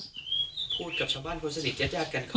พูดกับชาวบ้านคนสนิทยากันเขาไม่ได้พูด